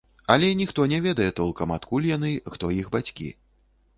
Але ніхто не ведае толкам, адкуль яны, хто іх бацькі.